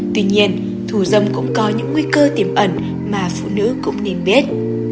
tuy nhiên thủ dâm cũng có những nguy cơ tiềm ẩn mà phụ nữ cũng nên biết